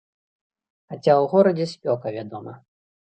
Хаця ў горадзе спёка, вядома.